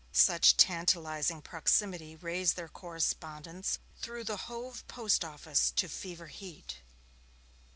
Such tantalizing proximity raised their correspondence through the Hove Post Office to fever heat.